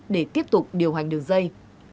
để tiếp tục điều hành đường dây